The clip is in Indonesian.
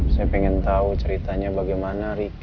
saya pengen tahu ceritanya bagaimana riki melihat rika